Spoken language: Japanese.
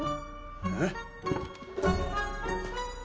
えっ？